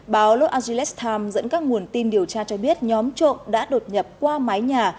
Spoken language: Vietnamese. báo los angeles times dẫn các nguồn tin điều tra cho biết nhóm trộm đã đột nhập qua mái nhà